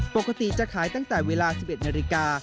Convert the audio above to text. ปกติจะขายตั้งแต่เวลา๑๑นาฬิกา